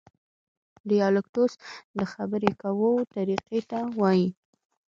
ډیالکټوس د خبري کوو طریقې ته وایي.